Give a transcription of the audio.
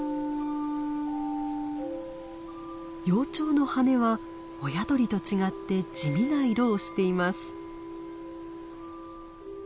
幼鳥の羽は親鳥と違って地味な色をしています。